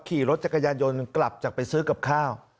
ขี่รถจักรยานยนต์กลับจากไปซื้อกับข้าว